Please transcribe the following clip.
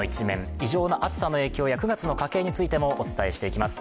異常な暑さの影響や９月の家計についてもお伝えします。